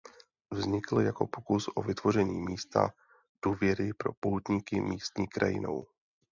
Vznikl jako pokus o vytvoření místa důvěry pro poutníky místní krajinou.